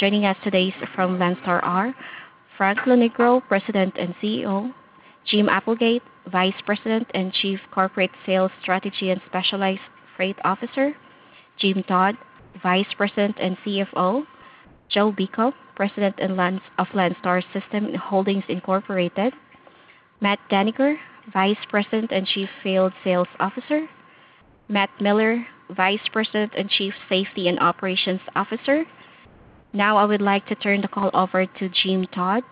Joining us today from Landstar are Frank Lonegro, President and CEO, Jim Applegate, Vice President and Chief Corporate Sales Strategy and Specialized Freight Officer, Jim Todd, Vice President and CFO, Joe Beacom, President of Landstar System Holdings Incorporated, Matt Dannegger, Vice President and Chief Field Sales Officer, Matt Miller, Vice President and Chief Safety and Operations Officer. Now I would like to turn the call over to Jim Todd.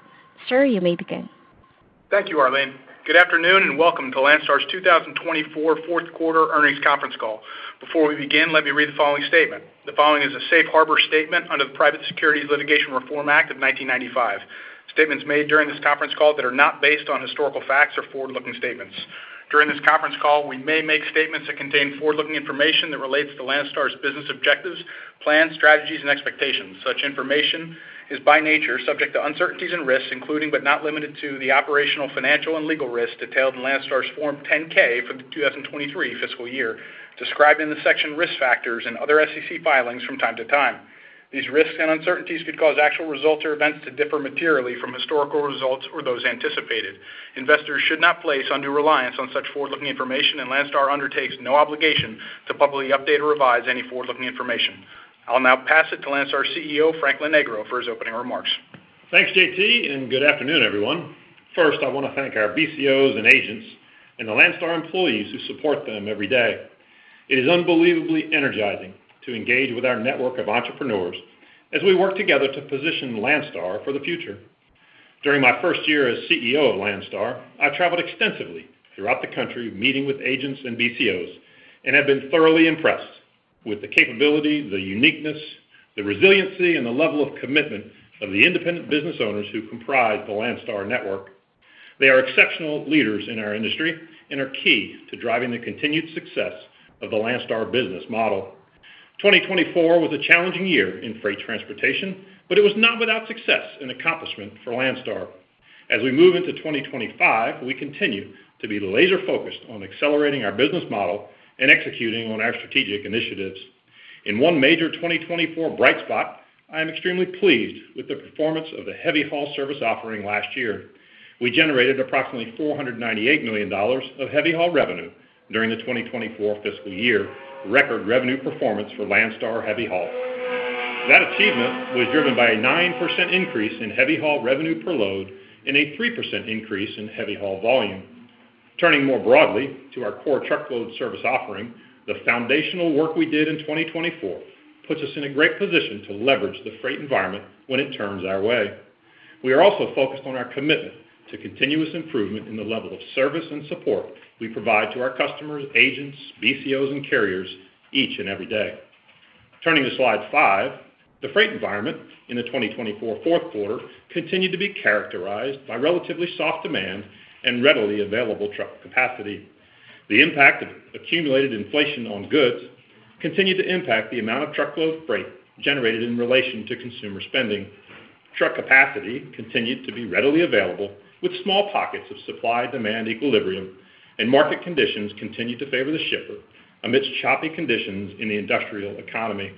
Sir, you may begin. Thank you, Arlene. Good afternoon and welcome to Landstar's 2024 Fourth Quarter Earnings Conference Call. Before we begin, let me read the following statement. The following is a safe harbor statement under the Private Securities Litigation Reform Act of 1995. Statements made during this conference call that are not based on historical facts or forward-looking statements. During this conference call, we may make statements that contain forward-looking information that relates to Landstar's business objectives, plans, strategies, and expectations. Such information is by nature subject to uncertainties and risks, including but not limited to the operational, financial, and legal risks detailed in Landstar's Form 10-K for the 2023 fiscal year, described in the section Risk Factors and other SEC filings from time to time. These risks and uncertainties could cause actual results or events to differ materially from historical results or those anticipated. Investors should not place undue reliance on such forward-looking information, and Landstar undertakes no obligation to publicly update or revise any forward-looking information. I'll now pass it to Landstar CEO Frank Lonegro for his opening remarks. Thanks, JT, and good afternoon, everyone. First, I want to thank our BCOs and agents and the Landstar employees who support them every day. It is unbelievably energizing to engage with our network of entrepreneurs as we work together to position Landstar for the future. During my first year as CEO of Landstar, I traveled extensively throughout the country meeting with agents and BCOs and have been thoroughly impressed with the capability, the uniqueness, the resiliency, and the level of commitment of the independent business owners who comprise the Landstar network. They are exceptional leaders in our industry and are key to driving the continued success of the Landstar business model. 2024 was a challenging year in freight transportation, but it was not without success and accomplishment for Landstar. As we move into 2025, we continue to be laser-focused on accelerating our business model and executing on our strategic initiatives. In one major 2024 bright spot, I am extremely pleased with the performance of heavy haul service offering last year. We generated approximately $498 million heavy haul revenue during the 2024 fiscal year, record revenue performance for heavy haul. that achievement was driven by a 9% increase heavy haul revenue per load and a 3% increase heavy haul volume. Turning more broadly to our core truckload service offering, the foundational work we did in 2024 puts us in a great position to leverage the freight environment when it turns our way. We are also focused on our commitment to continuous improvement in the level of service and support we provide to our customers, agents, BCOs, and carriers each and every day. Turning to slide five, the freight environment in the 2024 fourth quarter continued to be characterized by relatively soft demand and readily available truck capacity. The impact of accumulated inflation on goods continued to impact the amount of truckload freight generated in relation to consumer spending. Truck capacity continued to be readily available with small pockets of supply-demand equilibrium, and market conditions continued to favor the shipper amidst choppy conditions in the industrial economy.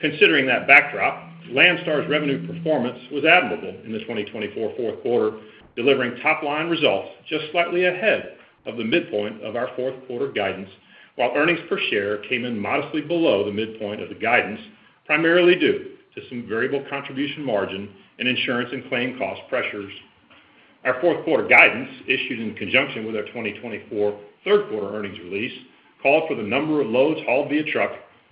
Considering that backdrop, Landstar's revenue performance was admirable in the 2024 fourth quarter, delivering top-line results just slightly ahead of the midpoint of our fourth quarter guidance, while earnings per share came in modestly below the midpoint of the guidance, primarily due to some variable contribution margin and insurance and claim cost pressures. Our fourth quarter guidance, issued in conjunction with our 2024 third quarter earnings release, called for the number of loads hauled via truck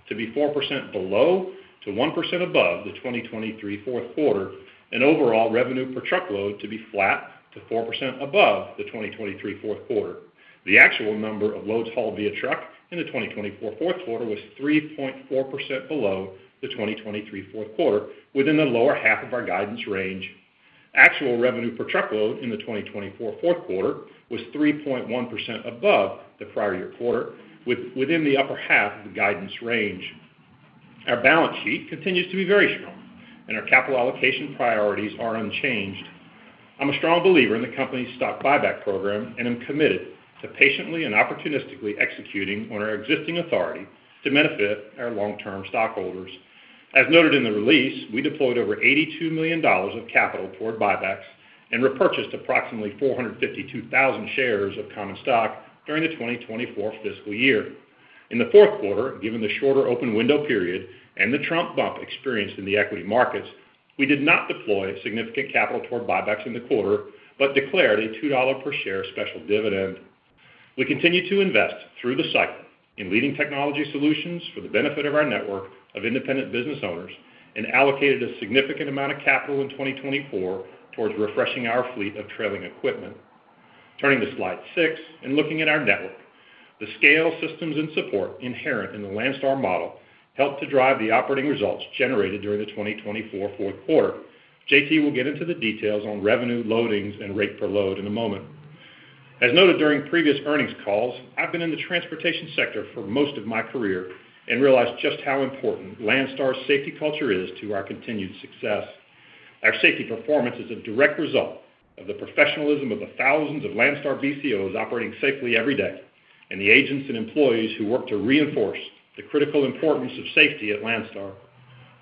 to be 4% below to 1% above the 2023 fourth quarter, and overall revenue per truckload to be flat to 4% above the 2023 fourth quarter. The actual number of loads hauled via truck in the 2024 fourth quarter was 3.4% below the 2023 fourth quarter, within the lower half of our guidance range. Actual revenue per truckload in the 2024 fourth quarter was 3.1% above the prior year quarter, within the upper half of the guidance range. Our balance sheet continues to be very strong, and our capital allocation priorities are unchanged. I'm a strong believer in the company's stock buyback program and am committed to patiently and opportunistically executing on our existing authority to benefit our long-term stockholders. As noted in the release, we deployed over $82 million of capital toward buybacks and repurchased approximately 452,000 shares of common stock during the 2024 fiscal year. In the fourth quarter, given the shorter open window period and the Trump bump experienced in the equity markets, we did not deploy significant capital toward buybacks in the quarter but declared a $2 per share special dividend. We continue to invest through the cycle in leading technology solutions for the benefit of our network of independent business owners and allocated a significant amount of capital in 2024 towards refreshing our fleet of trailer equipment. Turning to slide six and looking at our network, the scale, systems, and support inherent in the Landstar model helped to drive the operating results generated during the 2024 fourth quarter. JT will get into the details on revenue, loadings, and rate per load in a moment. As noted during previous earnings calls, I've been in the transportation sector for most of my career and realized just how important Landstar's safety culture is to our continued success. Our safety performance is a direct result of the professionalism of the thousands of Landstar BCOs operating safely every day and the agents and employees who work to reinforce the critical importance of safety at Landstar.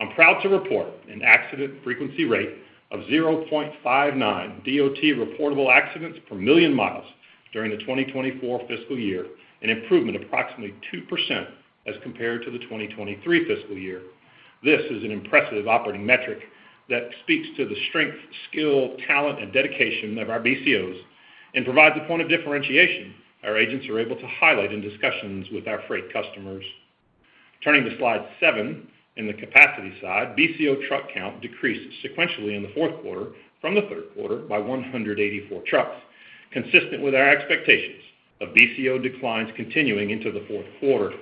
I'm proud to report an accident frequency rate of 0.59 DOT reportable accidents per million miles during the 2024 fiscal year and improvement approximately 2% as compared to the 2023 fiscal year. This is an impressive operating metric that speaks to the strength, skill, talent, and dedication of our BCOs and provides a point of differentiation our agents are able to highlight in discussions with our freight customers. Turning to slide seven, in the capacity side, BCO truck count decreased sequentially in the fourth quarter from the third quarter by 184 trucks, consistent with our expectations of BCO declines continuing into the fourth quarter.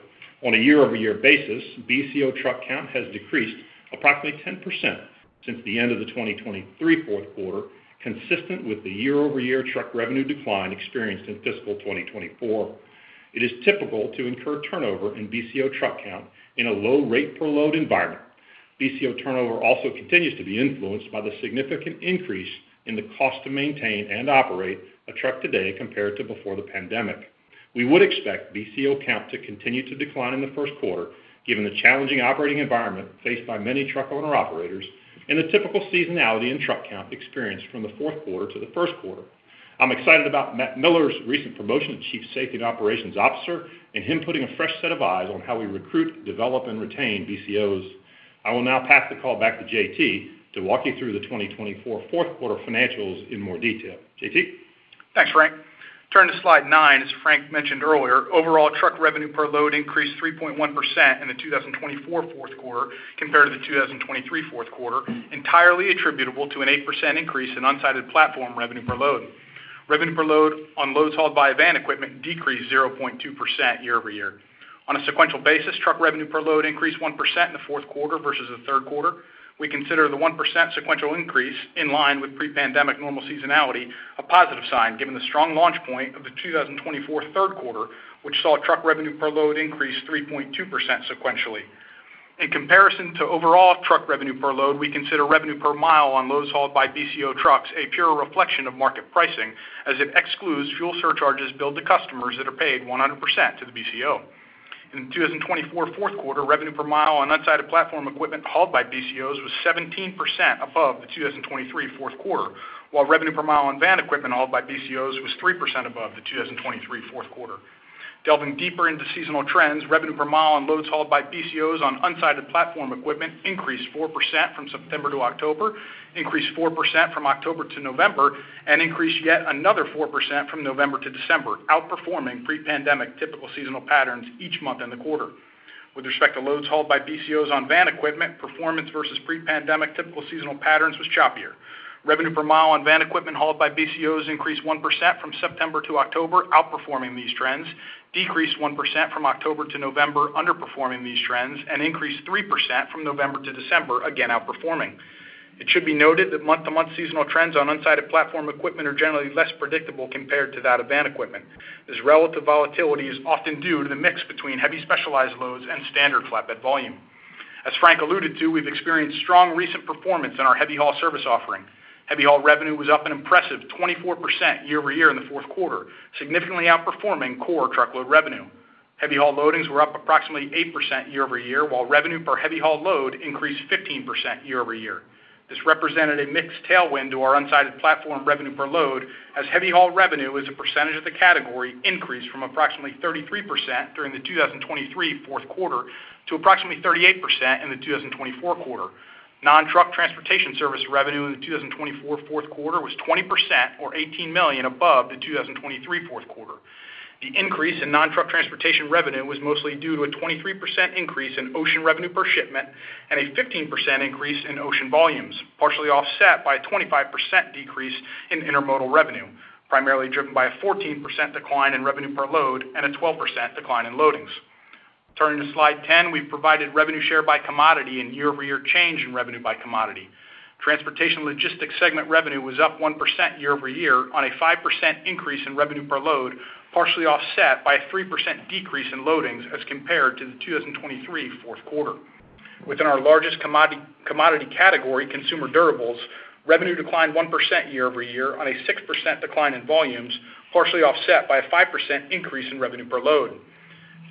On a year-over-year basis, BCO truck count has decreased approximately 10% since the end of the 2023 fourth quarter, consistent with the year-over-year truck revenue decline experienced in fiscal 2024. It is typical to incur turnover in BCO truck count in a low rate per load environment. BCO turnover also continues to be influenced by the significant increase in the cost to maintain and operate a truck today compared to before the pandemic. We would expect BCO count to continue to decline in the first quarter, given the challenging operating environment faced by many truck owner-operators and the typical seasonality in truck count experienced from the fourth quarter to the first quarter. I'm excited about Matt Miller's recent promotion to Chief Safety and Operations Officer and him putting a fresh set of eyes on how we recruit, develop, and retain BCOs. I will now pass the call back to JT to walk you through the 2024 fourth quarter financials in more detail. JT? Thanks, Frank. Turning to slide nine, as Frank mentioned earlier, overall truck revenue per load increased 3.1% in the 2024 fourth quarter compared to the 2023 fourth quarter, entirely attributable to an 8% increase in unsided platform revenue per load. Revenue per load on loads hauled by van equipment decreased 0.2% year-over-year. On a sequential basis, truck revenue per load increased 1% in the fourth quarter versus the third quarter. We consider the 1% sequential increase, in line with pre-pandemic normal seasonality, a positive sign given the strong launch point of the 2024 third quarter, which saw truck revenue per load increase 3.2% sequentially. In comparison to overall truck revenue per load, we consider revenue per mile on loads hauled by BCO trucks a pure reflection of market pricing, as it excludes fuel surcharges billed to customers that are paid 100% to the BCO. In the 2024 fourth quarter, revenue per mile on unsided platform equipment hauled by BCOs was 17% above the 2023 fourth quarter, while revenue per mile on van equipment hauled by BCOs was 3% above the 2023 fourth quarter. Delving deeper into seasonal trends, revenue per mile on loads hauled by BCOs on unsided platform equipment increased 4% from September to October, increased 4% from October to November, and increased yet another 4% from November to December, outperforming pre-pandemic typical seasonal patterns each month in the quarter. With respect to loads hauled by BCOs on van equipment, performance versus pre-pandemic typical seasonal patterns was choppier. Revenue per mile on van equipment hauled by BCOs increased 1% from September to October, outperforming these trends, decreased 1% from October to November, underperforming these trends, and increased 3% from November to December, again outperforming. It should be noted that month-to-month seasonal trends on unsided platform equipment are generally less predictable compared to that of van equipment. This relative volatility is often due to the mix between heavy specialized loads and standard flatbed volume. As Frank alluded to, we've experienced strong recent performance in heavy haul service heavy haul revenue was up an impressive 24% year-over-year in the fourth quarter, significantly outperforming core truckload heavy haul loadings were up approximately 8% year-over-year, while revenue heavy haul load increased 15% year-over-year. This represented a mixed tailwind to our unsided platform revenue per load, heavy haul revenue, as a percentage of the category, increased from approximately 33% during the 2023 fourth quarter to approximately 38% in the 2024 quarter. Non-truck transportation service revenue in the 2024 fourth quarter was 20%, or $18 million, above the 2023 fourth quarter. The increase in non-truck transportation revenue was mostly due to a 23% increase in ocean revenue per shipment and a 15% increase in ocean volumes, partially offset by a 25% decrease in intermodal revenue, primarily driven by a 14% decline in revenue per load and a 12% decline in loadings. Turning to slide 10, we've provided revenue share by commodity and year-over-year change in revenue by commodity. Transportation logistics segment revenue was up 1% year-over-year on a 5% increase in revenue per load, partially offset by a 3% decrease in loadings as compared to the 2023 fourth quarter. Within our largest commodity category, consumer durables, revenue declined 1% year-over-year on a 6% decline in volumes, partially offset by a 5% increase in revenue per load.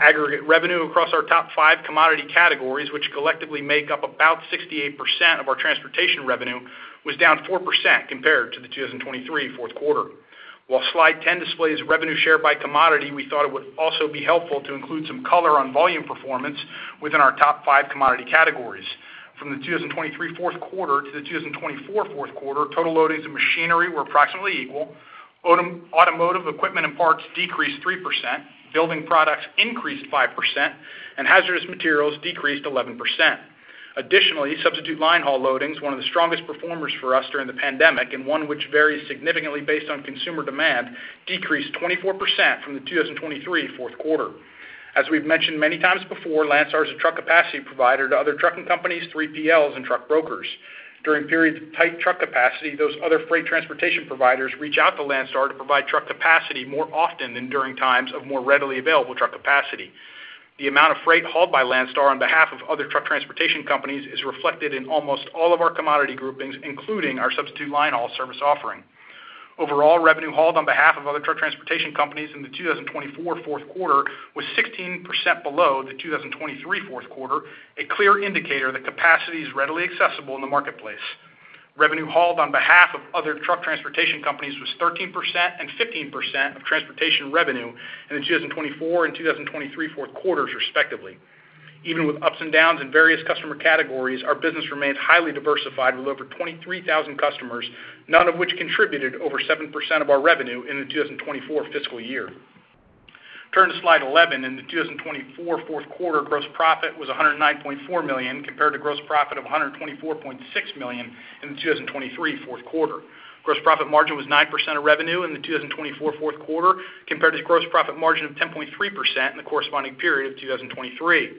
Aggregate revenue across our top five commodity categories, which collectively make up about 68% of our transportation revenue, was down 4% compared to the 2023 fourth quarter. While slide 10 displays revenue share by commodity, we thought it would also be helpful to include some color on volume performance within our top five commodity categories. From the 2023 fourth quarter to the 2024 fourth quarter, total loadings of machinery were approximately equal. Automotive equipment and parts decreased 3%, building products increased 5%, and hazardous materials decreased 11%. Additionally, substitute line haul loadings, one of the strongest performers for us during the pandemic and one which varies significantly based on consumer demand, decreased 24% from the 2023 fourth quarter. As we've mentioned many times before, Landstar is a truck capacity provider to other trucking companies, 3PLs, and truck brokers. During periods of tight truck capacity, those other freight transportation providers reach out to Landstar to provide truck capacity more often than during times of more readily available truck capacity. The amount of freight hauled by Landstar on behalf of other truck transportation companies is reflected in almost all of our commodity groupings, including our substitute line haul service offering. Overall revenue hauled on behalf of other truck transportation companies in the 2024 fourth quarter was 16% below the 2023 fourth quarter, a clear indicator that capacity is readily accessible in the marketplace. Revenue hauled on behalf of other truck transportation companies was 13% and 15% of transportation revenue in the 2024 and 2023 fourth quarters, respectively. Even with ups and downs in various customer categories, our business remains highly diversified with over 23,000 customers, none of which contributed over 7% of our revenue in the 2024 fiscal year. Turning to slide 11, in the 2024 fourth quarter, gross profit was $109.4 million compared to gross profit of $124.6 million in the 2023 fourth quarter. Gross profit margin was 9% of revenue in the 2024 fourth quarter compared to gross profit margin of 10.3% in the corresponding period of 2023.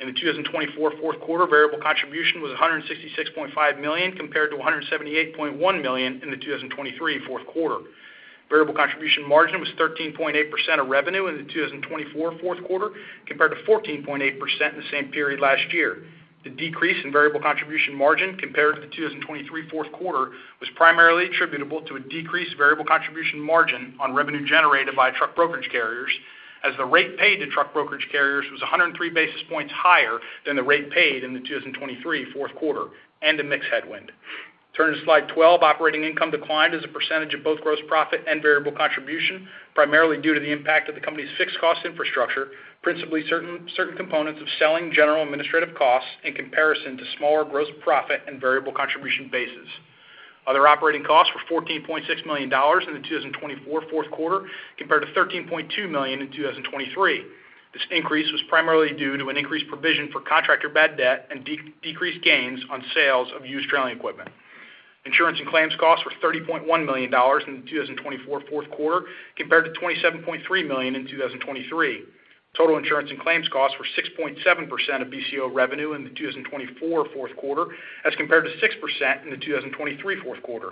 In the 2024 fourth quarter, variable contribution was $166.5 million compared to $178.1 million in the 2023 fourth quarter. Variable contribution margin was 13.8% of revenue in the 2024 fourth quarter compared to 14.8% in the same period last year. The decrease in variable contribution margin compared to the 2023 fourth quarter was primarily attributable to a decreased variable contribution margin on revenue generated by truck brokerage carriers, as the rate paid to truck brokerage carriers was 103 basis points higher than the rate paid in the 2023 fourth quarter and a mixed headwind. Turning to slide 12, operating income declined as a percentage of both gross profit and variable contribution, primarily due to the impact of the company's fixed cost infrastructure, principally certain components of selling, general, and administrative costs in comparison to smaller gross profit and variable contribution bases. Other operating costs were $14.6 million in the 2024 fourth quarter compared to $13.2 million in 2023. This increase was primarily due to an increased provision for contractor bad debt and decreased gains on sales of used trailer equipment. Insurance and claims costs were $30.1 million in the 2024 fourth quarter compared to $27.3 million in 2023. Total insurance and claims costs were 6.7% of BCO revenue in the 2024 fourth quarter as compared to 6% in the 2023 fourth quarter.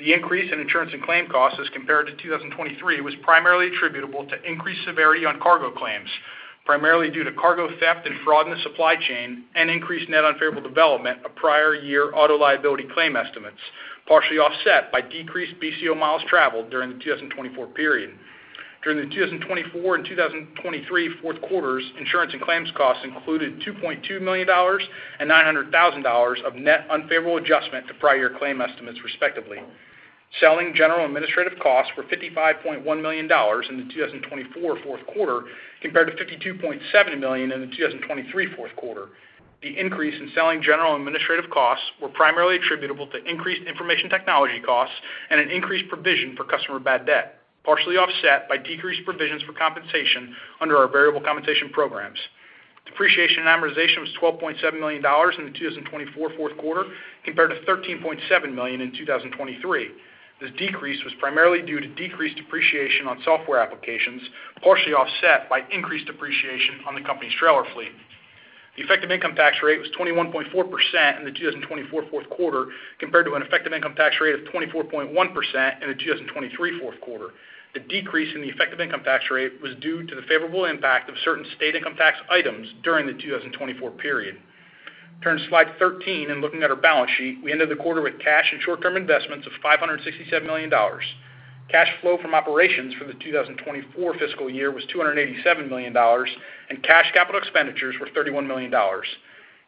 The increase in insurance and claim costs as compared to 2023 was primarily attributable to increased severity on cargo claims, primarily due to cargo theft and fraud in the supply chain and increased net unfavorable development of prior year auto liability claim estimates, partially offset by decreased BCO miles traveled during the 2024 period. During the 2024 and 2023 fourth quarters, insurance and claims costs included $2.2 million and $900,000 of net unfavorable adjustment to prior year claim estimates, respectively. Selling general administrative costs were $55.1 million in the 2024 fourth quarter compared to $52.7 million in the 2023 fourth quarter. The increase in selling general administrative costs was primarily attributable to increased information technology costs and an increased provision for customer bad debt, partially offset by decreased provisions for compensation under our variable compensation programs. Depreciation and amortization was $12.7 million in the 2024 fourth quarter compared to $13.7 million in 2023. This decrease was primarily due to decreased depreciation on software applications, partially offset by increased depreciation on the company's trailer fleet. The effective income tax rate was 21.4% in the 2024 fourth quarter compared to an effective income tax rate of 24.1% in the 2023 fourth quarter. The decrease in the effective income tax rate was due to the favorable impact of certain state income tax items during the 2024 period. Turning to slide 13 and looking at our balance sheet, we ended the quarter with cash and short-term investments of $567 million. Cash flow from operations for the 2024 fiscal year was $287 million, and cash capital expenditures were $31 million.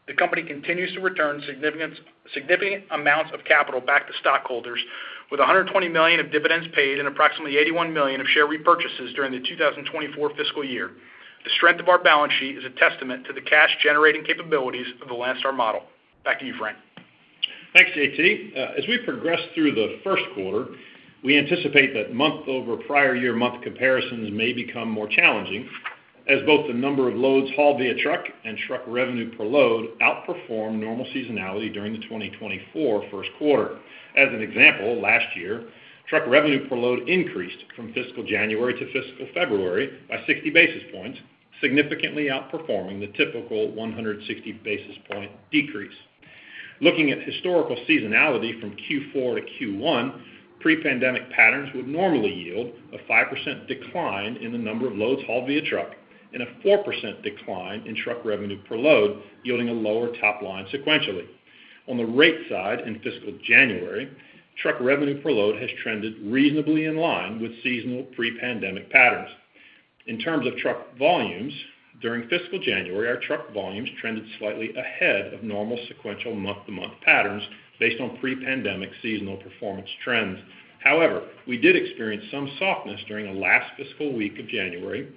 The company continues to return significant amounts of capital back to stockholders, with $120 million of dividends paid and approximately $81 million of share repurchases during the 2024 fiscal year. The strength of our balance sheet is a testament to the cash-generating capabilities of the Landstar model. Back to you, Frank. Thanks, JT. As we progress through the first quarter, we anticipate that month-over-prior-year month comparisons may become more challenging, as both the number of loads hauled via truck and truck revenue per load outperform normal seasonality during the 2024 first quarter. As an example, last year, truck revenue per load increased from fiscal January to fiscal February by 60 basis points, significantly outperforming the typical 160 basis point decrease. Looking at historical seasonality from Q4 to Q1, pre-pandemic patterns would normally yield a 5% decline in the number of loads hauled via truck and a 4% decline in truck revenue per load, yielding a lower top line sequentially. On the rate side in fiscal January, truck revenue per load has trended reasonably in line with seasonal pre-pandemic patterns. In terms of truck volumes, during fiscal January, our truck volumes trended slightly ahead of normal sequential month-to-month patterns based on pre-pandemic seasonal performance trends. However, we did experience some softness during the last fiscal week of January,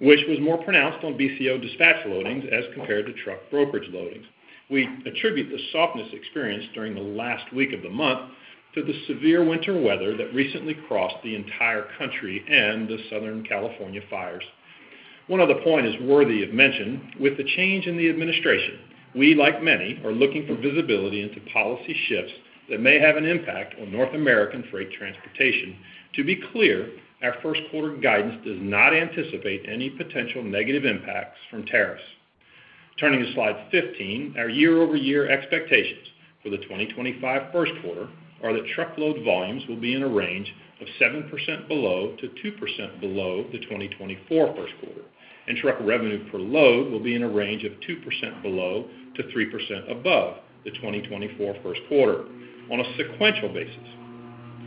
which was more pronounced on BCO dispatch loadings as compared to truck brokerage loadings. We attribute the softness experienced during the last week of the month to the severe winter weather that recently crossed the entire country and the Southern California fires. One other point is worthy of mention. With the change in the administration, we, like many, are looking for visibility into policy shifts that may have an impact on North American freight transportation. To be clear, our first quarter guidance does not anticipate any potential negative impacts from tariffs. Turning to slide 15, our year-over-year expectations for the 2025 first quarter are that truckload volumes will be in a range of 7% below to 2% below the 2024 first quarter, and truck revenue per load will be in a range of 2% below to 3% above the 2024 first quarter on a sequential basis.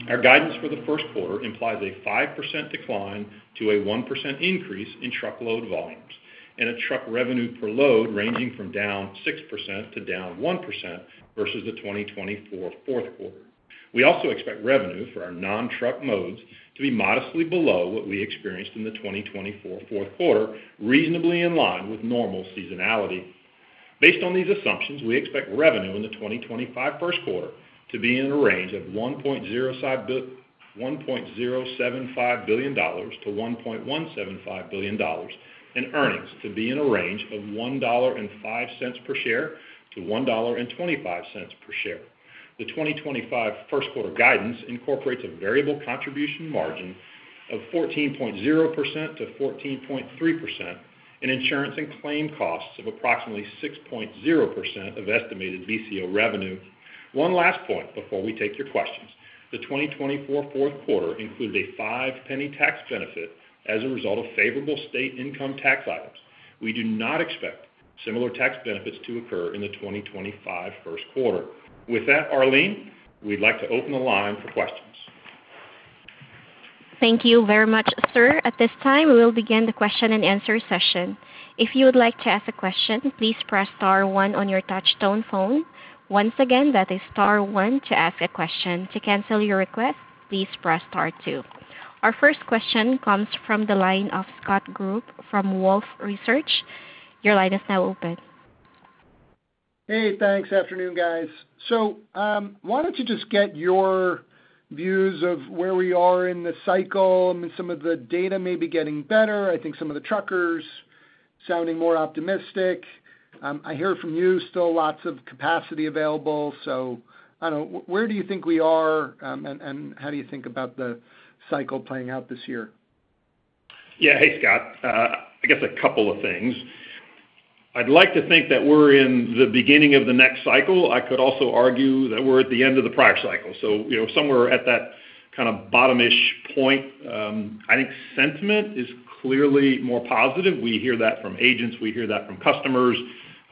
Our guidance for the first quarter implies a 5% decline to a 1% increase in truckload volumes and a truck revenue per load ranging from down 6% to down 1% versus the 2024 fourth quarter. We also expect revenue for our non-truck modes to be modestly below what we experienced in the 2024 fourth quarter, reasonably in line with normal seasonality. Based on these assumptions, we expect revenue in the 2025 first quarter to be in a range of $1.075 billion-$1.175 billion and earnings to be in a range of $1.05-$1.25 per share. The 2025 first quarter guidance incorporates a variable contribution margin of 14.0%-14.3% and insurance and claim costs of approximately 6.0% of estimated BCO revenue. One last point before we take your questions. The 2024 fourth quarter included a five-penny tax benefit as a result of favorable state income tax items. We do not expect similar tax benefits to occur in the 2025 first quarter. With that, Arlene, we'd like to open the line for questions. Thank you very much, sir. At this time, we will begin the question and answer session. If you would like to ask a question, please press Star 1 on your touch-tone phone. Once again, that is Star 1 to ask a question. To cancel your request, please press Star 2. Our first question comes from the line of Scott Group from Wolfe Research. Your line is now open. Hey, thanks. Afternoon, guys. So I wanted to just get your views of where we are in the cycle. I mean, some of the data may be getting better. I think some of the truckers are sounding more optimistic. I hear from you still lots of capacity available. So I don't know. Where do you think we are, and how do you think about the cycle playing out this year? Yeah. Hey, Scott. I guess a couple of things. I'd like to think that we're in the beginning of the next cycle. I could also argue that we're at the end of the prior cycle. So somewhere at that kind of bottom-ish point. I think sentiment is clearly more positive. We hear that from agents. We hear that from customers.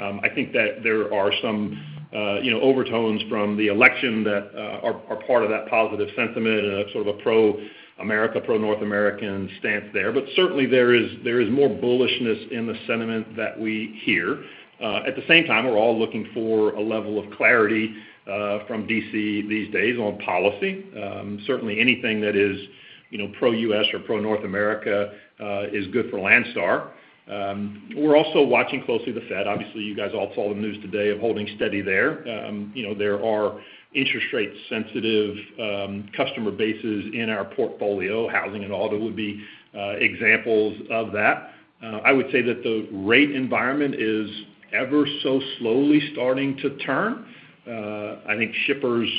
I think that there are some overtones from the election that are part of that positive sentiment and sort of a pro-America, pro-North American stance there. But certainly, there is more bullishness in the sentiment that we hear. At the same time, we're all looking for a level of clarity from DC these days on policy. Certainly, anything that is pro-US or pro-North America is good for Landstar. We're also watching closely the Fed. Obviously, you guys all saw the news today of holding steady there. There are interest rate-sensitive customer bases in our portfolio, housing and auto would be examples of that. I would say that the rate environment is ever so slowly starting to turn. I think shippers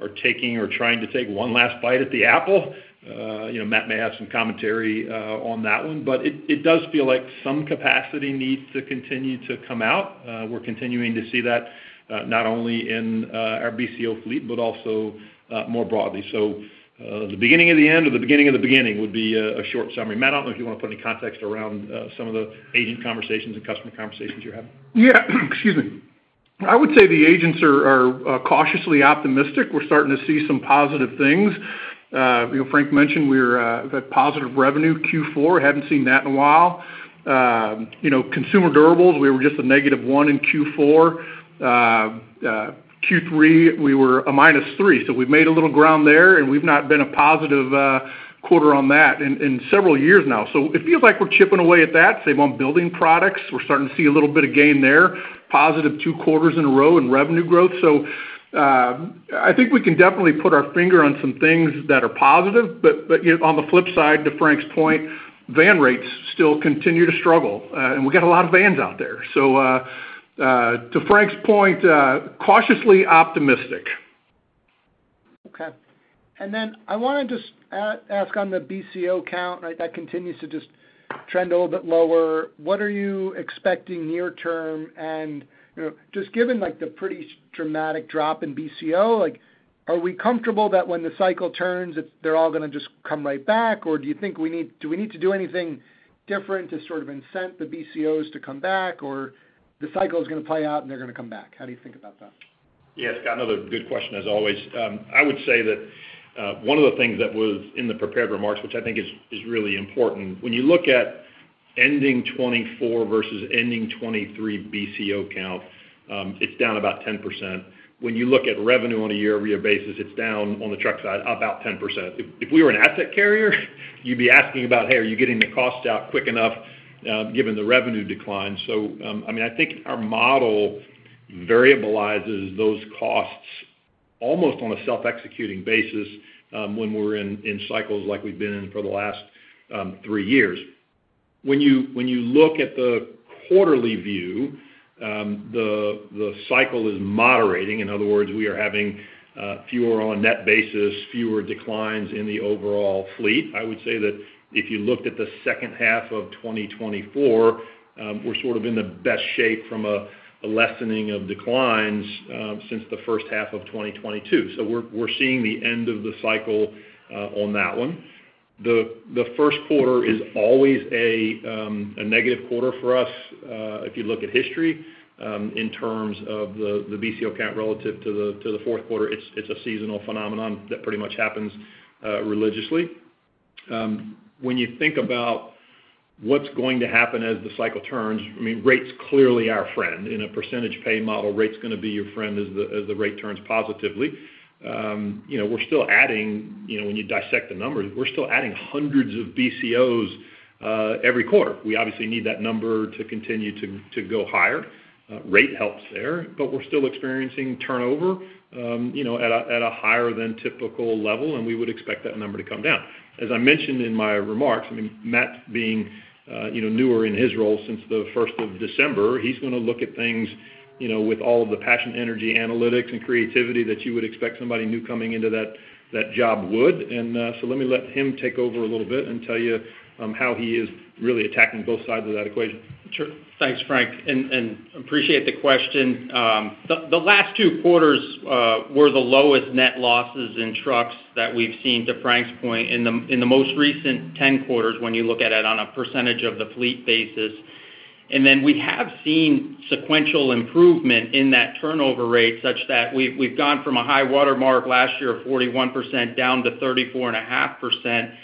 are taking or trying to take one last bite at the apple. Matt may have some commentary on that one, but it does feel like some capacity needs to continue to come out. We're continuing to see that not only in our BCO fleet but also more broadly. So the beginning of the end or the beginning of the beginning would be a short summary. Matt, I don't know if you want to put any context around some of the agent conversations and customer conversations you're having. Yeah. Excuse me. I would say the agents are cautiously optimistic. We're starting to see some positive things. Frank mentioned we're at positive revenue Q4. Haven't seen that in a while. Consumer durables, we were just a negative one in Q4. Q3, we were a minus three. So we've made a little ground there, and we've not been a positive quarter on that in several years now. So it feels like we're chipping away at that. Same on building products. We're starting to see a little bit of gain there. Positive two quarters in a row in revenue growth. So I think we can definitely put our finger on some things that are positive. But on the flip side, to Frank's point, van rates still continue to struggle, and we got a lot of vans out there. So to Frank's point, cautiously optimistic. Okay, and then I want to just ask on the BCO count, right? That continues to just trend a little bit lower. What are you expecting near term, and just given the pretty dramatic drop in BCO, are we comfortable that when the cycle turns, they're all going to just come right back or do you think we need, do we need to do anything different to sort of incent the BCOs to come back or the cycle is going to play out, and they're going to come back? How do you think about that? Yeah. It's got another good question, as always. I would say that one of the things that was in the prepared remarks, which I think is really important, when you look at ending 2024 versus ending 2023 BCO count, it's down about 10%. When you look at revenue on a year-over-year basis, it's down on the truck side about 10%. If we were an asset carrier, you'd be asking about, "Hey, are you getting the costs out quick enough given the revenue decline?" So I mean, I think our model variabilizes those costs almost on a self-executing basis when we're in cycles like we've been in for the last three years. When you look at the quarterly view, the cycle is moderating. In other words, we are having fewer on a net basis, fewer declines in the overall fleet. I would say that if you looked at the second half of 2024, we're sort of in the best shape from a lessening of declines since the first half of 2022. So we're seeing the end of the cycle on that one. The first quarter is always a negative quarter for us. If you look at history in terms of the BCO count relative to the fourth quarter, it's a seasonal phenomenon that pretty much happens religiously. When you think about what's going to happen as the cycle turns, I mean, rates clearly are a friend. In a percentage pay model, rate's going to be your friend as the rate turns positively. We're still adding, when you dissect the numbers, we're still adding hundreds of BCOs every quarter. We obviously need that number to continue to go higher. Rate helps there, but we're still experiencing turnover at a higher than typical level, and we would expect that number to come down. As I mentioned in my remarks, I mean, Matt, being newer in his role since the 1st of December, he's going to look at things with all of the passion, energy, analytics, and creativity that you would expect somebody new coming into that job would, and so let me let him take over a little bit and tell you how he is really attacking both sides of that equation. Sure. Thanks, Frank. And appreciate the question. The last two quarters were the lowest net losses in trucks that we've seen, to Frank's point, in the most recent 10 quarters when you look at it on a percentage of the fleet basis. And then we have seen sequential improvement in that turnover rate such that we've gone from a high watermark last year of 41% down to 34.5%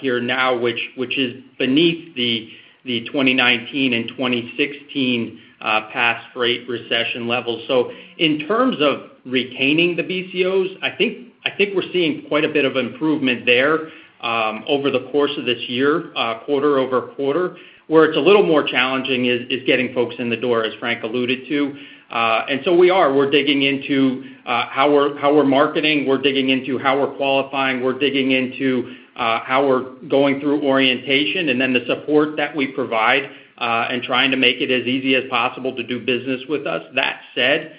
here now, which is beneath the 2019 and 2016 past freight recession levels. So in terms of retaining the BCOs, I think we're seeing quite a bit of improvement there over the course of this year, quarter over quarter. Where it's a little more challenging is getting folks in the door, as Frank alluded to. And so we are. We're digging into how we're marketing. We're digging into how we're qualifying. We're digging into how we're going through orientation and then the support that we provide and trying to make it as easy as possible to do business with us. That said,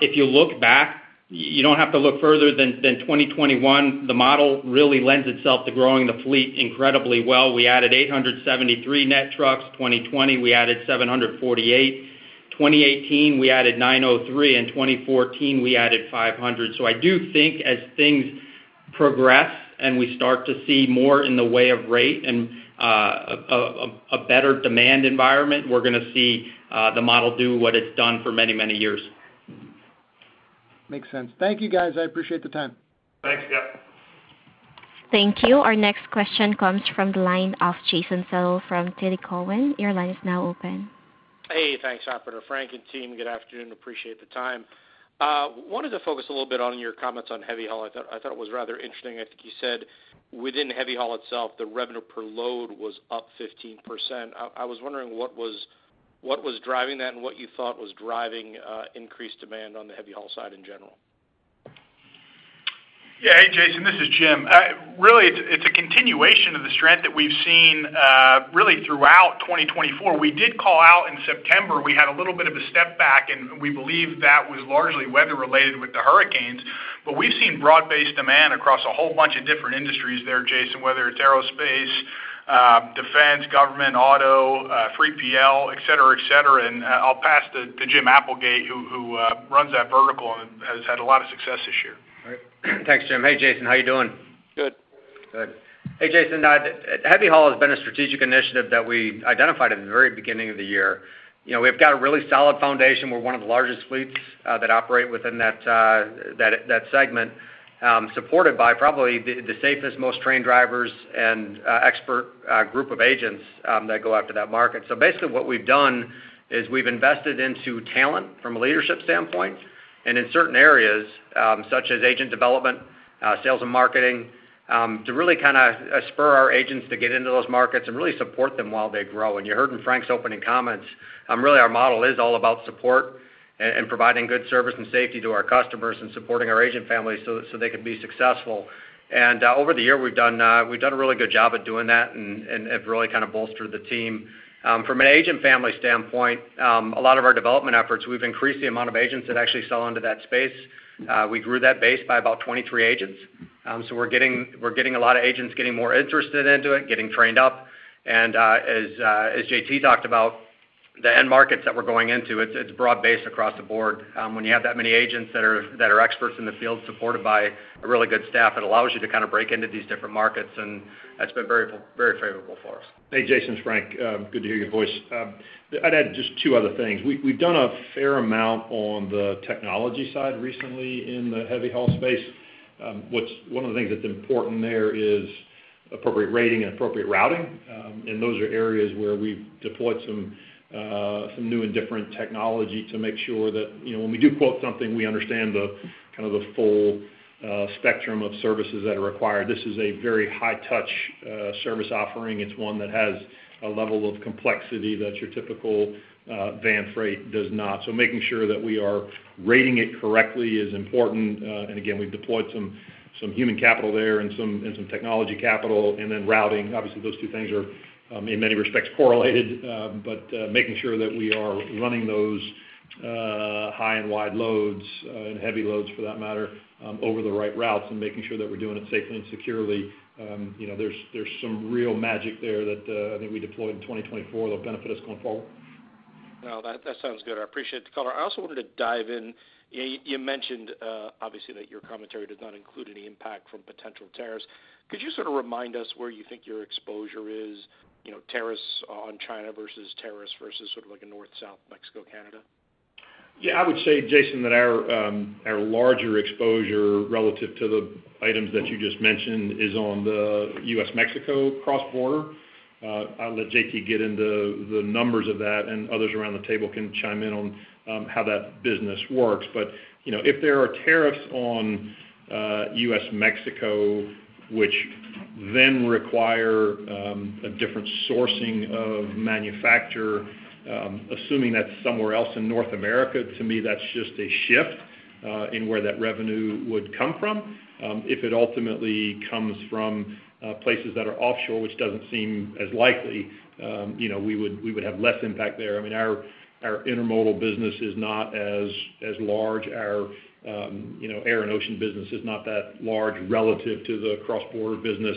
if you look back, you don't have to look further than 2021. The model really lends itself to growing the fleet incredibly well. We added 873 net trucks. 2020, we added 748. 2018, we added 903. And 2014, we added 500. So I do think as things progress and we start to see more in the way of rate and a better demand environment, we're going to see the model do what it's done for many, many years. Makes sense. Thank you, guys. I appreciate the time. Thanks. Yeah. Thank you. Our next question comes from the line of Jason Seidl from TD Cowen. Your line is now open. Hey. Thanks, Applegate. Frank and team, good afternoon. Appreciate the time. Wanted to focus a little bit on your comments heavy haul. i thought it was rather interesting. I think you said heavy haul itself, the revenue per load was up 15%. I was wondering what was driving that and what you thought was driving increased demand on heavy haul side in general. Yeah. Hey, Jason. This is Jim. Really, it's a continuation of the strength that we've seen really throughout 2024. We did call out in September. We had a little bit of a step back, and we believe that was largely weather-related with the hurricanes. But we've seen broad-based demand across a whole bunch of different industries there, Jason, whether it's aerospace, defense, government, auto, 3PL, etc., etc. And I'll pass to Jim Applegate, who runs that vertical and has had a lot of success this year. All right. Thanks, Jim. Hey, Jason. How are you doing? Good. Good. Hey, heavy haul has been a strategic initiative that we identified at the very beginning of the year. We've got a really solid foundation. We're one of the largest fleets that operate within that segment, supported by probably the safest, most trained drivers and expert group of agents that go after that market. So basically, what we've done is we've invested into talent from a leadership standpoint and in certain areas such as agent development, sales and marketing to really kind of spur our agents to get into those markets and really support them while they grow. And you heard in Frank's opening comments, really our model is all about support and providing good service and safety to our customers and supporting our agent family so they can be successful. And over the year, we've done a really good job at doing that and have really kind of bolstered the team. From an agent family standpoint, a lot of our development efforts, we've increased the amount of agents that actually sell into that space. We grew that base by about 23 agents. So we're getting a lot of agents getting more interested into it, getting trained up. And as JT talked about, the end markets that we're going into, it's broad-based across the board. When you have that many agents that are experts in the field supported by a really good staff, it allows you to kind of break into these different markets. And that's been very favorable for us. Hey, Jason and Frank. Good to hear your voice. I'd add just two other things. We've done a fair amount on the technology side recently in heavy haul space. One of the things that's important there is appropriate rating and appropriate routing. And those are areas where we've deployed some new and different technology to make sure that when we do quote something, we understand kind of the full spectrum of services that are required. This is a very high-touch service offering. It's one that has a level of complexity that your typical van freight does not. So making sure that we are rating it correctly is important. And again, we've deployed some human capital there and some technology capital. And then routing, obviously, those two things are in many respects correlated, but making sure that we are running those high and wide loads and heavy loads for that matter over the right routes and making sure that we're doing it safely and securely. There's some real magic there that I think we deployed in 2024 that'll benefit us going forward. No, that sounds good. I appreciate the color. I also wanted to dive in. You mentioned, obviously, that your commentary did not include any impact from potential tariffs. Could you sort of remind us where you think your exposure is? Tariffs on China versus tariffs versus sort of like a North-South Mexico, Canada? Yeah. I would say, Jason, that our larger exposure relative to the items that you just mentioned is on the U.S.-Mexico cross-border. I'll let JT get into the numbers of that, and others around the table can chime in on how that business works. But if there are tariffs on U.S.-Mexico, which then require a different sourcing of manufacturer, assuming that's somewhere else in North America, to me, that's just a shift in where that revenue would come from. If it ultimately comes from places that are offshore, which doesn't seem as likely, we would have less impact there. I mean, our intermodal business is not as large. Our air and ocean business is not that large relative to the cross-border business.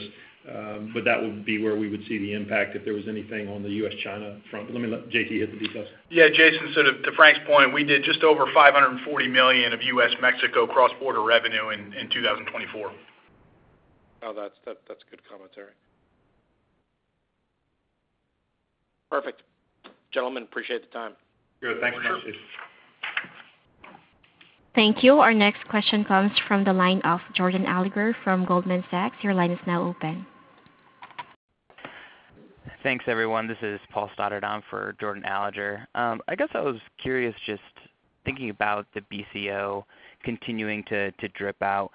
But that would be where we would see the impact if there was anything on the U.S.-China front. But let me let JT hit the details. Yeah. Jason, sort of to Frank's point, we did just over $540 million of U.S.-Mexico cross-border revenue in 2024. Oh, that's good commentary. Perfect. Gentlemen, appreciate the time. Good. Thanks very much. Thank you. Our next question comes from the line of Jordan Alliger from Goldman Sachs. Your line is now open. Thanks, everyone. This is Paul Sudell for Jordan Alliger. I guess I was curious just thinking about the BCO continuing to drip out.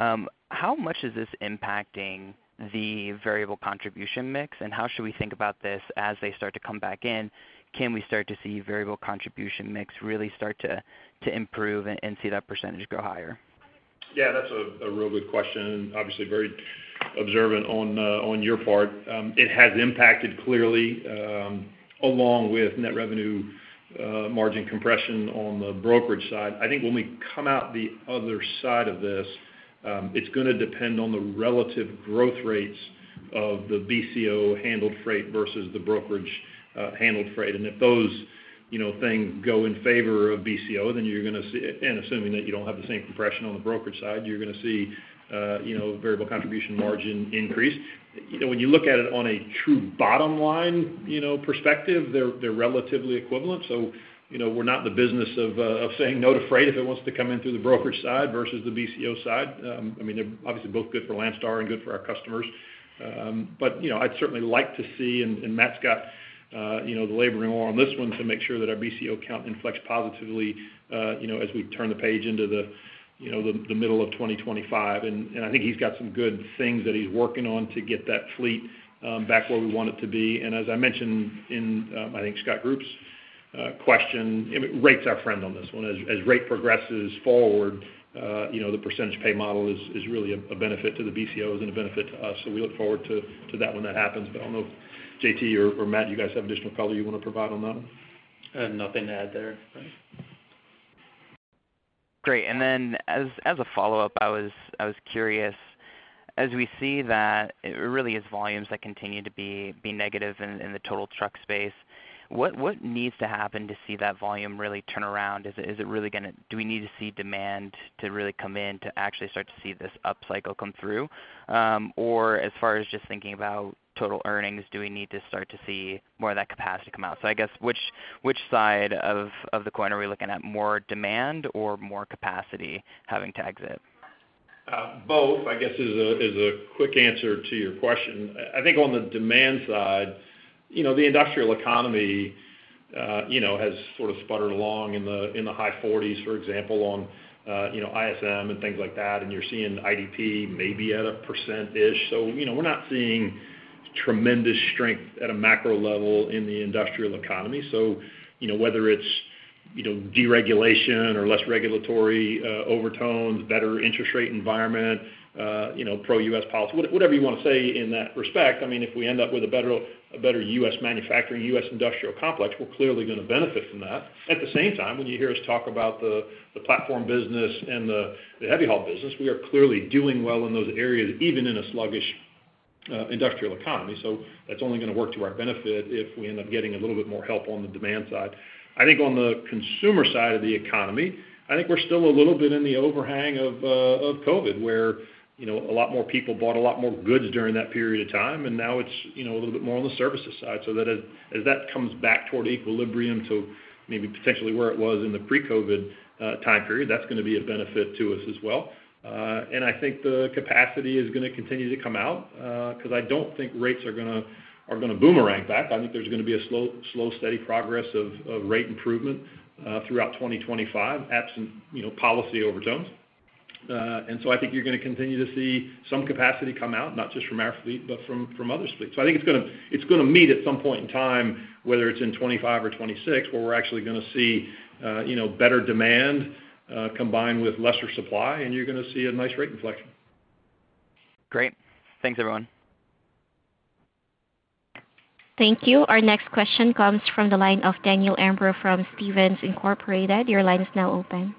How much is this impacting the variable contribution margin? And how should we think about this as they start to come back in? Can we start to see variable contribution margin really start to improve and see that percentage grow higher? Yeah. That's a real good question. Obviously, very observant on your part. It has impacted clearly along with net revenue margin compression on the brokerage side. I think when we come out the other side of this, it's going to depend on the relative growth rates of the BCO handled freight versus the brokerage handled freight. And if those things go in favor of BCO, then you're going to see, and assuming that you don't have the same compression on the brokerage side, you're going to see variable contribution margin increase. When you look at it on a true bottom-line perspective, they're relatively equivalent. So we're not in the business of saying, "No to freight if it wants to come in through the brokerage side versus the BCO side." I mean, they're obviously both good for Landstar and good for our customers. But I'd certainly like to see, and Matt's got the laboring on this one to make sure that our BCO count inflects positively as we turn the page into the middle of 2025. And I think he's got some good things that he's working on to get that fleet back where we want it to be. And as I mentioned in, I think, Scott Group's question, rate's our friend on this one. As rate progresses forward, the percentage pay model is really a benefit to the BCOs and a benefit to us. So we look forward to that when that happens. But I don't know if JT or Matt, you guys have additional color you want to provide on that one. Nothing to add there. Great. And then as a follow-up, I was curious, as we see that it really is volumes that continue to be negative in the total truck space, what needs to happen to see that volume really turn around? Is it really going to, do we need to see demand to really come in to actually start to see this upcycle come through? Or as far as just thinking about total earnings, do we need to start to see more of that capacity come out? So I guess which side of the coin are we looking at? More demand or more capacity having to exit? Both, I guess, is a quick answer to your question. I think on the demand side, the industrial economy has sort of sputtered along in the high 40s, for example, on ISM and things like that. And you're seeing IP maybe at 1%-ish. So we're not seeing tremendous strength at a macro level in the industrial economy. So whether it's deregulation or less regulatory overtones, better interest rate environment, pro-U.S. policy, whatever you want to say in that respect, I mean, if we end up with a better U.S. manufacturing, U.S. industrial complex, we're clearly going to benefit from that. At the same time, when you hear us talk about the platform business and heavy haul business, we are clearly doing well in those areas, even in a sluggish industrial economy. So that's only going to work to our benefit if we end up getting a little bit more help on the demand side. I think on the consumer side of the economy, I think we're still a little bit in the overhang of COVID, where a lot more people bought a lot more goods during that period of time. And now it's a little bit more on the services side. So that as that comes back toward equilibrium to maybe potentially where it was in the pre-COVID time period, that's going to be a benefit to us as well. And I think the capacity is going to continue to come out because I don't think rates are going to boomerang back. I think there's going to be a slow, steady progress of rate improvement throughout 2025, absent policy overtones. And so I think you're going to continue to see some capacity come out, not just from our fleet, but from other fleets. So I think it's going to meet at some point in time, whether it's in 2025 or 2026, where we're actually going to see better demand combined with lesser supply, and you're going to see a nice rate inflection. Great. Thanks, everyone. Thank you. Our next question comes from the line of Daniel Imbro from Stephens Inc. Your line is now open.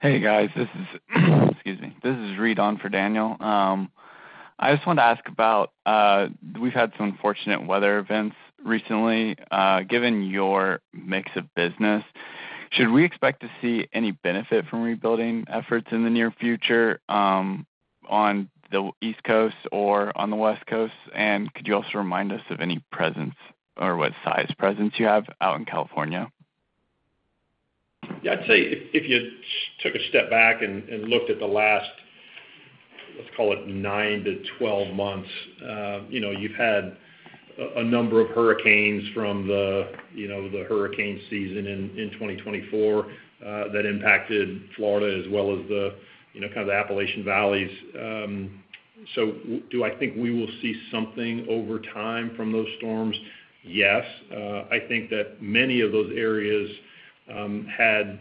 Hey, guys. Excuse me. This is Erin Reed on for Daniel. I just wanted to ask about, we've had some unfortunate weather events recently. Given your mix of business, should we expect to see any benefit from rebuilding efforts in the near future on the East Coast or on the West Coast? And could you also remind us of any presence or what size presence you have out in California? Yeah. I'd say if you took a step back and looked at the last, let's call it, 9 to 12 months, you've had a number of hurricanes from the hurricane season in 2024 that impacted Florida as well as kind of the Appalachian valleys. So do I think we will see something over time from those storms? Yes. I think that many of those areas had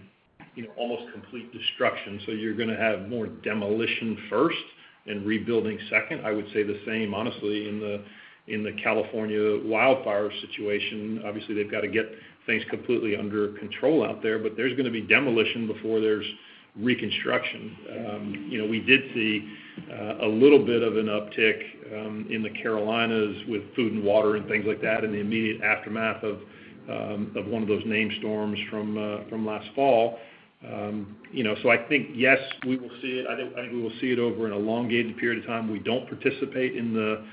almost complete destruction. So you're going to have more demolition first and rebuilding second. I would say the same, honestly, in the California wildfire situation. Obviously, they've got to get things completely under control out there, but there's going to be demolition before there's reconstruction. We did see a little bit of an uptick in the Carolinas with food and water and things like that in the immediate aftermath of one of those named storms from last fall. I think, yes, we will see it. I think we will see it over an elongated period of time. We don't participate in the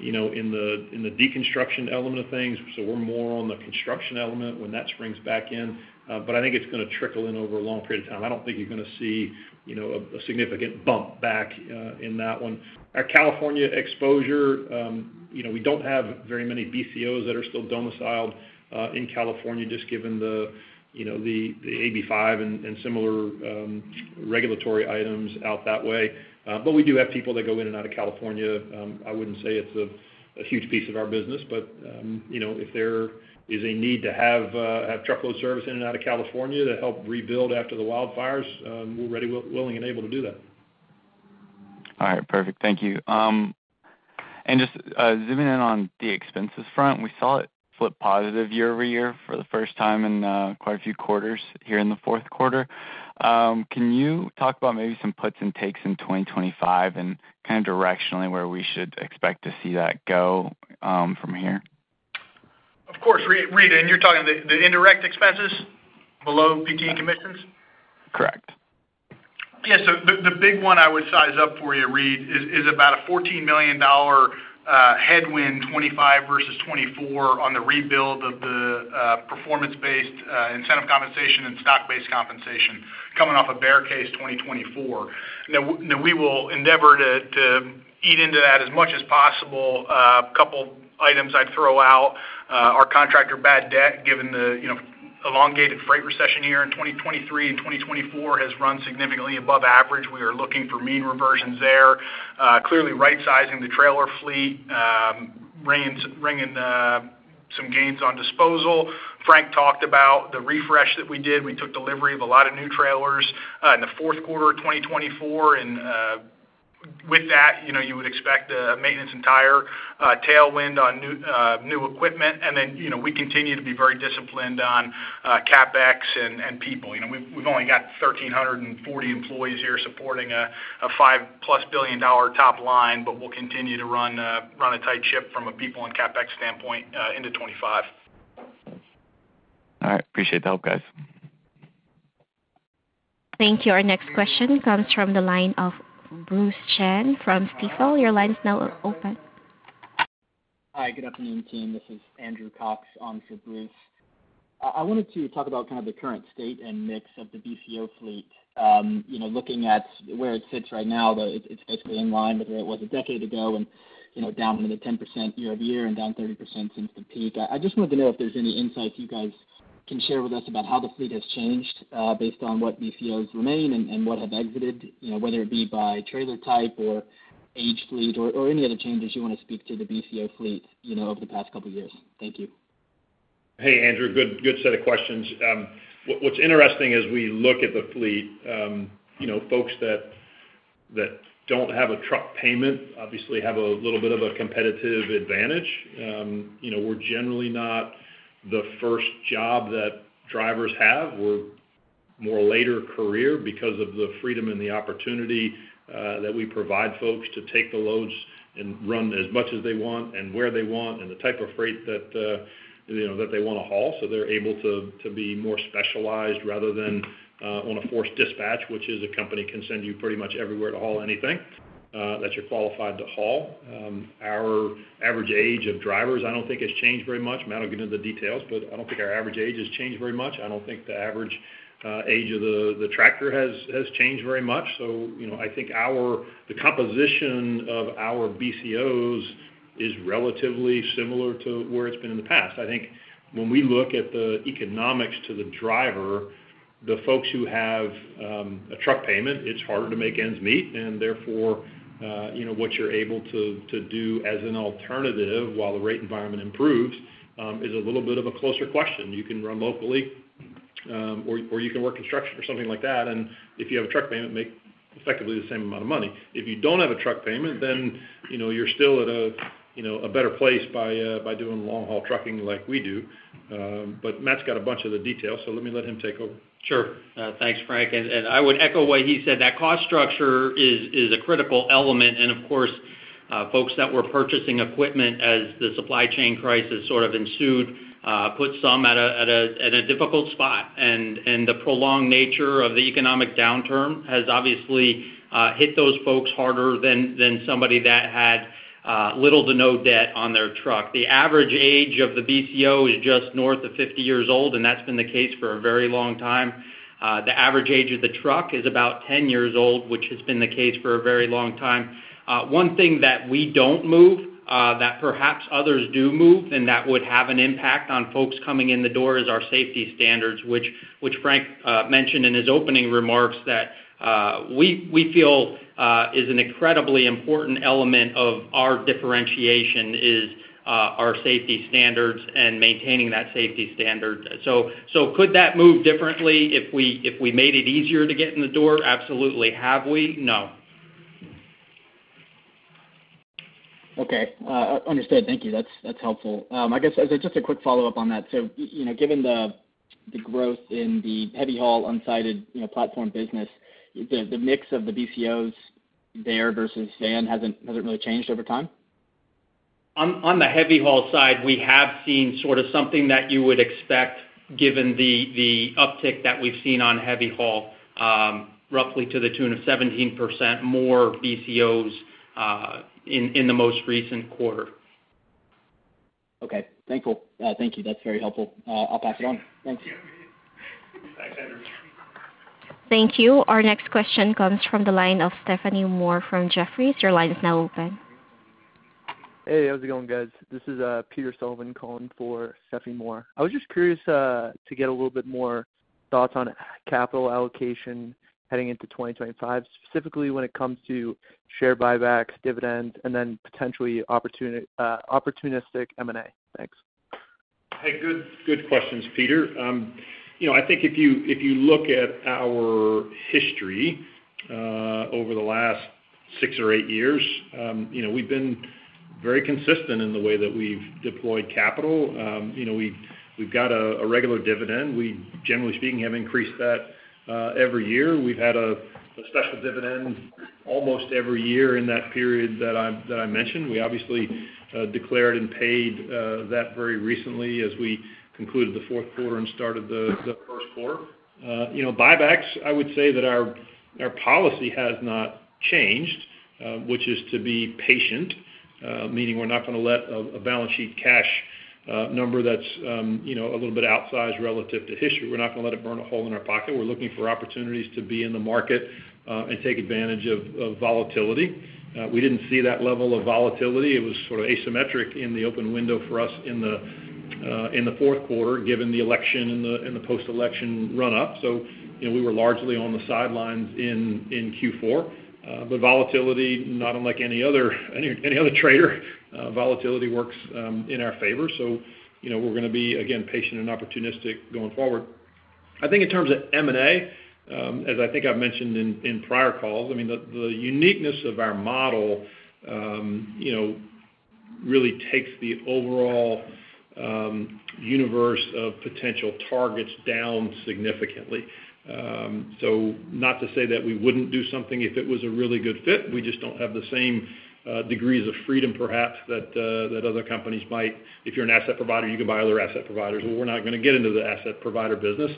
deconstruction element of things. We're more on the construction element when that springs back in. I think it's going to trickle in over a long period of time. I don't think you're going to see a significant bump back in that one. Our California exposure, we don't have very many BCOs that are still domiciled in California, just given the AB5 and similar regulatory items out that way. We do have people that go in and out of California. I wouldn't say it's a huge piece of our business. If there is a need to have truckload service in and out of California to help rebuild after the wildfires, we're ready, willing, and able to do that. All right. Perfect. Thank you. And just zooming in on the expenses front, we saw it flip positive year over year for the first time in quite a few quarters here in the fourth quarter. Can you talk about maybe some puts and takes in 2025 and kind of directionally where we should expect to see that go from here? Of course, Reid. And you're talking the indirect expenses below PT, commissions? Correct. Yeah. So the big one I would size up for you, Reid, is about a $14 million headwind 2025 versus 2024 on the rebuild of the performance-based incentive compensation and stock-based compensation coming off a bear case 2024. Now, we will endeavor to eat into that as much as possible. A couple of items I'd throw out. Our bad debt, given the elongated freight recession here in 2023 and 2024, has run significantly above average. We are looking for mean reversion there. Clearly, right-sizing the trailer fleet, bringing some gains on disposal. Frank talked about the refresh that we did. We took delivery of a lot of new trailers in the fourth quarter of 2024. And with that, you would expect a maintenance and tire tailwind on new equipment. And then we continue to be very disciplined on CapEx and people. We've only got 1,340 employees here supporting a $5-plus billion top line, but we'll continue to run a tight ship from a people and CapEx standpoint into 2025. All right. Appreciate the help, guys. Thank you. Our next question comes from the line of Bruce Chan from Stifel. Your line is now open. Hi. Good afternoon, team. This is Andrew Cox on for Bruce. I wanted to talk about kind of the current state and mix of the BCO fleet. Looking at where it sits right now, it's basically in line with where it was a decade ago and down 10% year over year and down 30% since the peak. I just wanted to know if there's any insights you guys can share with us about how the fleet has changed based on what BCOs remain and what have exited, whether it be by trailer type or age fleet or any other changes you want to speak to the BCO fleet over the past couple of years. Thank you. Hey, Andrew. Good set of questions. What's interesting as we look at the fleet, folks that don't have a truck payment obviously have a little bit of a competitive advantage. We're generally not the first job that drivers have. We're more later career because of the freedom and the opportunity that we provide folks to take the loads and run as much as they want and where they want and the type of freight that they want to haul. So they're able to be more specialized rather than on a forced dispatch, which is a company can send you pretty much everywhere to haul anything that you're qualified to haul. Our average age of drivers, I don't think has changed very much. I mean, I don't get into the details, but I don't think our average age has changed very much. I don't think the average age of the tractor has changed very much. So I think the composition of our BCOs is relatively similar to where it's been in the past. I think when we look at the economics to the driver, the folks who have a truck payment, it's harder to make ends meet. And therefore, what you're able to do as an alternative while the rate environment improves is a little bit of a closer question. You can run locally or you can work construction or something like that. And if you have a truck payment, make effectively the same amount of money. If you don't have a truck payment, then you're still at a better place by doing long-haul trucking like we do. But Matt's got a bunch of the details, so let me let him take over. Sure. Thanks, Frank, and I would echo what he said. That cost structure is a critical element, and of course, folks that were purchasing equipment as the supply chain crisis sort of ensued put some at a difficult spot, and the prolonged nature of the economic downturn has obviously hit those folks harder than somebody that had little to no debt on their truck. The average age of the BCO is just north of 50 years old, and that's been the case for a very long time. The average age of the truck is about 10 years old, which has been the case for a very long time. One thing that we don't move that perhaps others do move and that would have an impact on folks coming in the door is our safety standards, which Frank mentioned in his opening remarks that we feel is an incredibly important element of our differentiation is our safety standards and maintaining that safety standard. So could that move differently if we made it easier to get in the door? Absolutely. Have we? No. Okay. Understood. Thank you. That's helpful. I guess just a quick follow-up on that. So given the growth in heavy haul unsided platform business, the mix of the BCOs there versus van hasn't really changed over time? On heavy haul side, we have seen sort of something that you would expect given the uptick that we've seen heavy haul, roughly to the tune of 17% more BCOs in the most recent quarter. Okay. Thank you. That's very helpful. I'll pass it on. Thanks. Thank you. Our next question comes from the line of Stephanie Moore from Jefferies. Your line is now open. Hey, how's it going, guys? This is Peter Sullivan calling for Stephanie Moore. I was just curious to get a little bit more thoughts on capital allocation heading into 2025, specifically when it comes to share buybacks, dividends, and then potentially opportunistic M&A. Thanks. Hey, good questions, Peter. I think if you look at our history over the last six or eight years, we've been very consistent in the way that we've deployed capital. We've got a regular dividend. We, generally speaking, have increased that every year. We've had a special dividend almost every year in that period that I mentioned. We obviously declared and paid that very recently as we concluded the fourth quarter and started the first quarter. Buybacks, I would say that our policy has not changed, which is to be patient, meaning we're not going to let a balance sheet cash number that's a little bit outsized relative to history. We're not going to let it burn a hole in our pocket. We're looking for opportunities to be in the market and take advantage of volatility. We didn't see that level of volatility. It was sort of asymmetric in the open window for us in the fourth quarter given the election and the post-election run-up. So we were largely on the sidelines in Q4. But volatility, not unlike any other trader, volatility works in our favor. So we're going to be, again, patient and opportunistic going forward. I think in terms of M&A, as I think I've mentioned in prior calls, I mean, the uniqueness of our model really takes the overall universe of potential targets down significantly. So not to say that we wouldn't do something if it was a really good fit. We just don't have the same degrees of freedom, perhaps, that other companies might. If you're an asset provider, you can buy other asset providers. Well, we're not going to get into the asset provider business.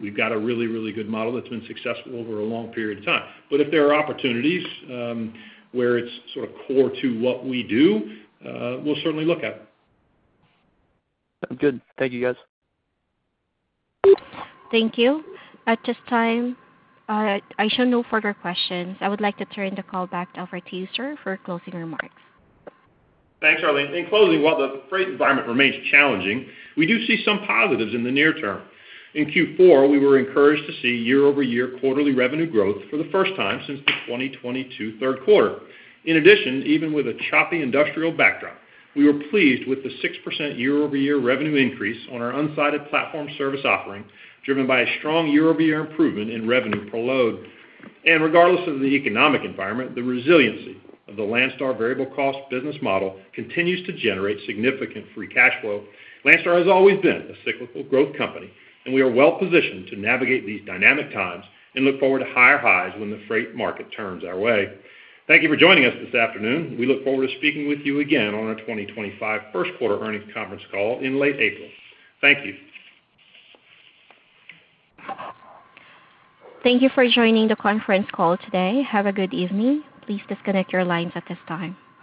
We've got a really, really good model that's been successful over a long period of time. But if there are opportunities where it's sort of core to what we do, we'll certainly look at it. Sounds good. Thank you, guys. Thank you. At this time, I show no further questions. I would like to turn the call back over to you, sir, for closing remarks. Thanks, Arlene. In closing, while the freight environment remains challenging, we do see some positives in the near term. In Q4, we were encouraged to see year-over-year quarterly revenue growth for the first time since the 2022 third quarter. In addition, even with a choppy industrial backdrop, we were pleased with the 6% year-over-year revenue increase on our unsided platform service offering driven by a strong year-over-year improvement in revenue per load. And regardless of the economic environment, the resiliency of the Landstar variable cost business model continues to generate significant free cash flow. Landstar has always been a cyclical growth company, and we are well-positioned to navigate these dynamic times and look forward to higher highs when the freight market turns our way. Thank you for joining us this afternoon. We look forward to speaking with you again on our 2025 first quarter earnings conference call in late April. Thank you. Thank you for joining the conference call today. Have a good evening. Please disconnect your lines at this time.